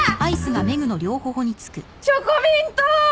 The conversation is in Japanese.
チョコミント！